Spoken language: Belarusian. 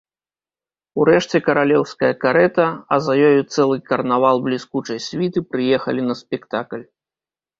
Урэшце каралеўская карэта, а за ёю цэлы карнавал бліскучай світы прыехалі на спектакль.